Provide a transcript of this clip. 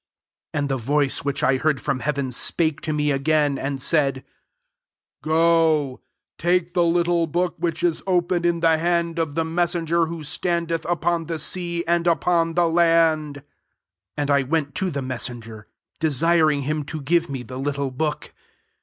8 And the voice which I heard from heaven spake to me again, and said, *< Go, take the little book which is open in the hand of the messenger who standeth upon the sea and upoo the land." 9 And I went to the messenger, desiring him to give to me the little book.